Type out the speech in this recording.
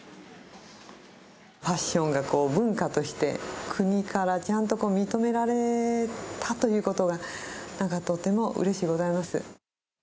ファッションがこう、文化として、国からちゃんと認められたということが、なんかとてもうれしゅうございます。